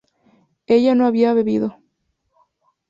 ella no había bebido